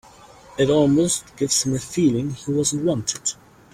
It almost gives him a feeling he wasn't wanted.